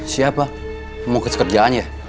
siapa mau ke sekat jalan ya